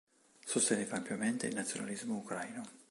Sosteneva ampiamente il nazionalismo ucraino.